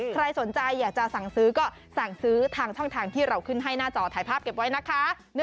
ใครสนใจอยากจะสั่งซื้อก็สั่งซื้อทางช่องทางที่เราขึ้นให้หน้าจอถ่ายภาพเก็บไว้นะคะ